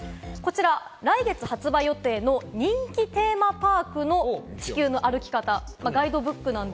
こちら、来月発売予定の人気テーマパークとコラボした『地球の歩き方』です。